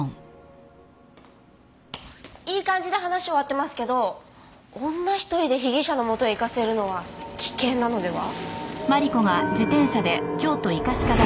いい感じで話終わってますけど女一人で被疑者の元へ行かせるのは危険なのでは？